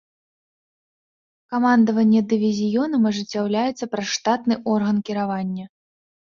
Камандаванне дывізіёнам ажыццяўляецца праз штатны орган кіравання.